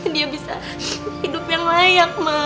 dia bisa hidup yang layak